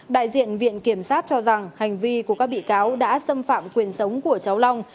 đại diện viện kiểm sát cho rằng hành vi của các bị cáo đã xâm phạm quyền sống của cháu long